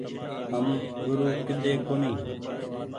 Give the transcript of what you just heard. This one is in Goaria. هم گورو ڪيۮي ڪونيٚ ۔